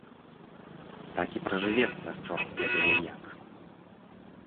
Так і пражывецца чорт ведае як.